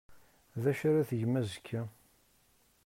D acu ara tgem azekka?